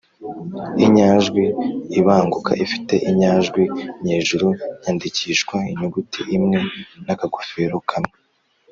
Inyajwi ibanguka ifite inyajwi nyejuru yandikishwa inyuguti imwe n’akagofero kamwe